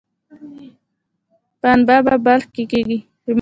پنبه په بلخ کې کیږي